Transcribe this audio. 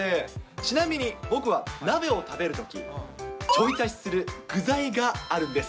ちなみに僕は、鍋を食べるとき、ちょい足しする具材があるんです。